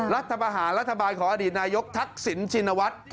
รัฐประหารรัฐบาลของอดีตนายกทักษิณชินวัฒน์